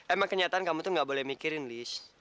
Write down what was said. emang kenyataan kamu tuh gak boleh mikirin list